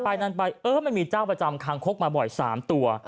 นั่นไปเออมันมีเจ้าประจำคางคกมาบ่อย๓ตัว